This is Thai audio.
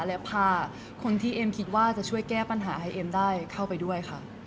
และพาคนที่เอ็มคิดว่าจะช่วยแก้ปัญหาให้เอ็มได้เข้าไปด้วยค่ะ